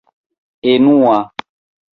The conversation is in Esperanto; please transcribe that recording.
enua